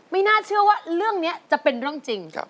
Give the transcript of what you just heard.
ไม่น่าเชื่อว่าเรื่องนี้จะเป็นเรื่องจริง